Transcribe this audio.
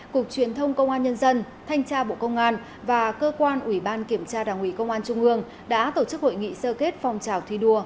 cục truyền thông công an nhân dân thanh tra bộ công an và cơ quan ủy ban kiểm tra đảng ủy công an trung ương đã tổ chức hội nghị sơ kết phòng trào thi đua